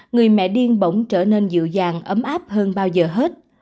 người mẹ điên bỗng trở nên dịu dàng ấm áp hơn bao giờ hết